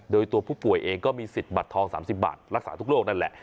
โดยตัวผู้ป่วยเองก็มีสิทธิ์บัตรทอง๓๐บาทรักษาทุกโรคนั่นแหละ